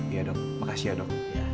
ya dok makasih ya dok